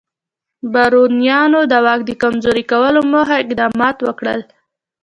بارونیانو د واک د کمزوري کولو موخه اقدامات وکړل.